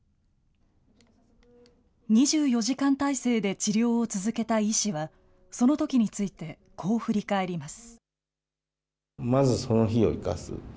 ２４時間体制で治療を続けた医師はそのときについてこう振り返ります。